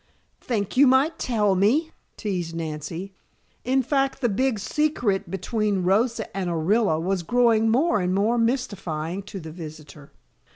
"Think you might tell me," teased Nancy. In fact the big secret between Rosa and Orilla was growing more and more mystifying to the visitor.